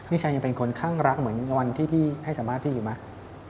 นี่ฉันยังเป็นคนข้างรักเหมือนวันที่พี่ให้สมาธิอยู่ไหม